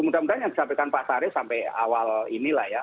mudah mudahan yang disampaikan pak saret sampai awal ini lah ya